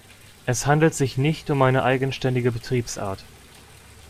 Es handelt sich nicht um eine eigenständige Betriebsart.